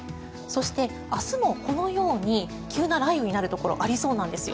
そして、明日もこのように急な雷雨になるところありそうなんです。